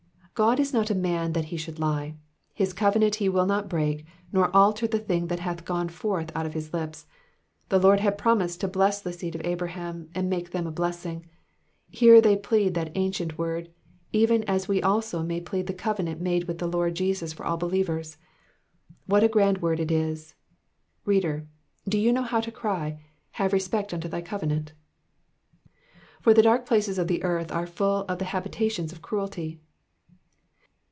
God is not a man that he should lie ; his covenant he will not break, nor alter the thing that hath gone foith out of his lips. The Lord had promised to bless the seed of Abraham, and make them a blessing ; here they plead that ancient word, even as we also may plead the covenant made with the Lord Jesus for all believers What a grand word it is ! Header, do you know how to cry, Have respect unto thy covenant*'? ''''For the dark places of the earth arefuU of the habitations of cruelty.''''